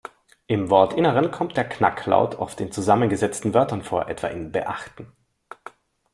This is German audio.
Im Wortinneren kommt der Knacklaut oft in zusammengesetzten Wörtern vor, etwa in "beachten".